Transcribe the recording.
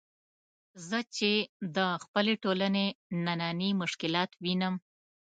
زه چې د خپلې ټولنې نني مشکلات وینم.